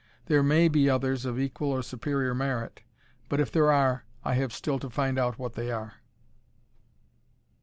There may be others of equal or superior merit, but if there are I have still to find out what they are.